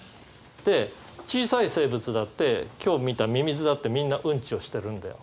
で小さい生物だって今日見たミミズだってみんなうんちをしてるんだよ。